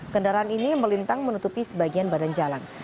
kendaraan ini melintang menutupi sebagian badan jalan